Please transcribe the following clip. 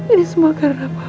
ini semua karena papa